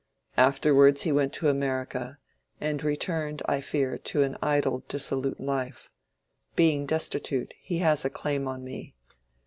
Afterwards he went to America, and returned I fear to an idle dissolute life. Being destitute, he has a claim on me.